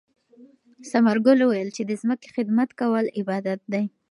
ثمر ګل وویل چې د ځمکې خدمت کول عبادت دی.